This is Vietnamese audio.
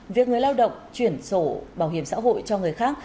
việc người lao động chuyển sổ bảo hiểm xã hội cho người khác